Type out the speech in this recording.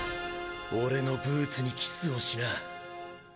俺のブーツにキスをしな。